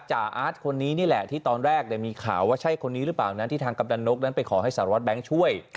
จ่าอาร์ตคนนี้นี่แหละที่ตอนแรกมีข่าวว่าใช่คนนี้หรือเปล่านะที่ทางกำดันนกนั้นไปขอให้สารวัตรแบงค์ช่วย